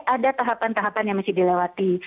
ada tahapan tahapan yang mesti dilewati